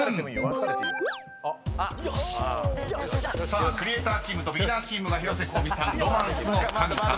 ［さあクリエイターチームとビギナーチームが広瀬香美さん『ロマンスの神様』］